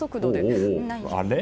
あれ？